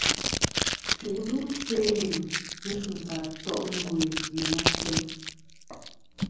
Jù'lɨ se' yeyn ghesɨna to' ngœ yèyn ateyn.